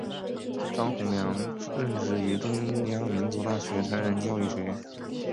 张宏良任职于中央民族大学成人教育学院。